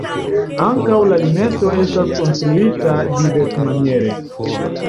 Ankaŭ la limeso estas konstruita diversmaniere.